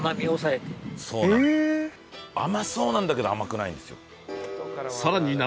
甘そうなんだけど甘くないんですよ。